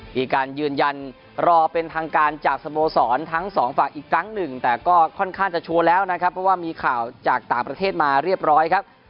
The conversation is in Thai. มีการยืนยันรอเป็นทางการจากสโมสรทั้งสองฝั่งอีกครั้งหนึ่งแต่ก็ค่อนข้างจะชัวร์แล้วนะครับเพราะว่ามีข่าวจากต่างประเทศมาเรียบร้อยครับ